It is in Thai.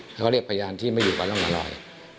เขาเรียกพยานที่ไม่อยู่กับร่องกันรอย